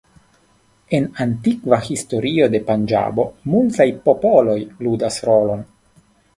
En antikva historio de Panĝabo multaj popoloj ludas rolon.